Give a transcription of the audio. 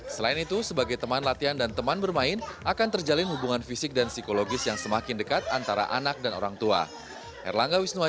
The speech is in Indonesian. selain itu sebagai teman latihan dan teman bermain akan terjalin hubungan fisik dan psikologis yang semakin dekat antara anak dan orang tua